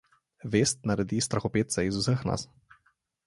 Vest naredi strahopetce iz vseh nas.